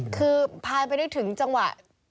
คือพายไปได้ถึงจังหวะ